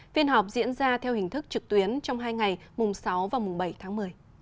phiên họp diễn ra theo hình thức trực tuyến trong hai ngày mùng sáu và mùng bảy tháng một mươi